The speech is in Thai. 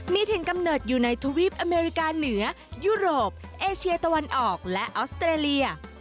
มีถิ่นกำเนิดอยู่ในทวีปอเมริกาเหนือยุโรปเอเชียตะวันออกและออสเตรเลีย